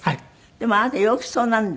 でもあなた陽気そうなので。